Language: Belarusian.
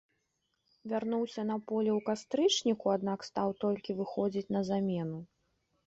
Вярнуўся на поле ў кастрычніку, аднак стаў толькі выхадзіць на замену.